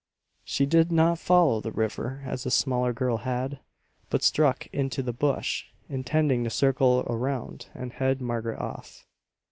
She did not follow the river as the smaller girl had, but struck into the bush, intending to circle around and head Margaret off.